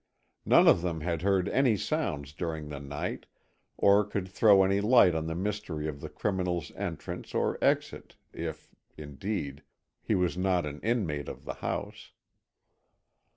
None of them had heard any sounds during the night or could throw any light on the mystery of the criminal's entrance or exit, if, indeed, he was not an inmate of the house.